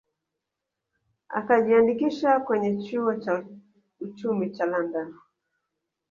Akajiandikisha kwenye chuo cha uchumi cha London